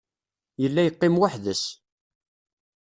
Yella yeqqim weḥd-s.